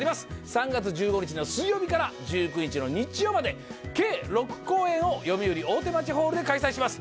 ３月１５日の水曜日から１９日の日曜まで計６公演をよみうり大手町ホールで開催します